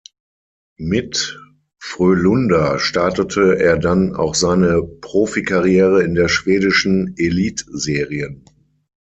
Mit Frölunda startete er dann auch seine Profikarriere in der schwedischen Elitserien.